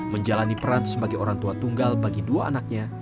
menjalani peran sebagai orang tua tunggal bagi dua anaknya